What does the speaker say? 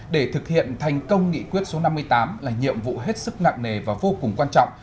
để thực hiện thành công nghị quyết số năm mươi tám là nhiệm vụ hết sức nặng nề và vô cùng quan trọng